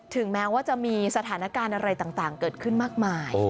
แม้ว่าจะมีสถานการณ์อะไรต่างเกิดขึ้นมากมาย